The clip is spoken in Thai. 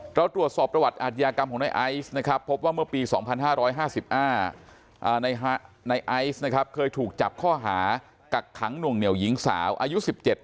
ตรวจสอบประวัติอาทยากรรมของในไอซ์นะครับพบว่าเมื่อปี๒๕๕๕ในไอซ์นะครับเคยถูกจับข้อหากักขังหน่วงเหนียวหญิงสาวอายุ๑๗